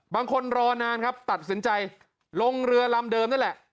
รอนานครับตัดสินใจลงเรือลำเดิมนั่นแหละ